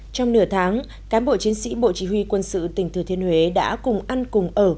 trong nửa tháng cán bộ chiến sĩ bộ chỉ huy quân sự tỉnh thừa thiên huế đã cùng ăn cùng ở